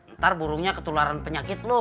ntar burungnya ketularan penyakit loh